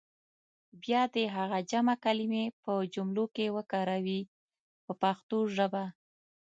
بیا دې هغه جمع کلمې په جملو کې وکاروي په پښتو ژبه.